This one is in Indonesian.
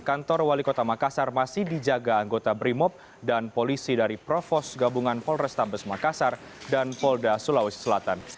sorowali kota makassar masih dijaga anggota brimop dan polisi dari provos gabungan polres tabes makassar dan polda sulawesi selatan